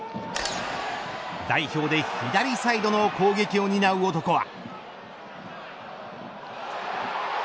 代表で左サイドの攻撃を担う男は。